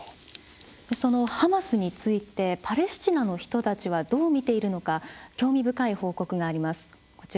そのハマスについてパレスチナの人たちはどう見ているのか興味深い報告があります。